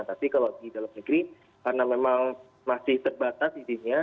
tapi kalau di dalam negeri karena memang masih terbatas izinnya